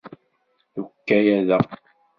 Deg ukayad-a.